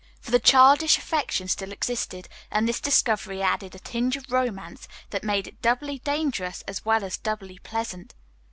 For the childish affection still existed, and this discovery added a tinge of romance that made it doubly dangerous as well as doubly pleasant.